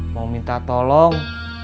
mau minta tolong